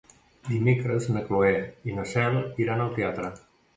Dimecres na Cloè i na Cel iran al teatre.